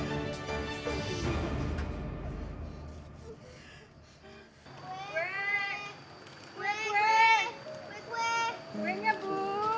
jangan rusak jalan jalan nenek bu